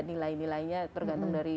nilai nilainya tergantung dari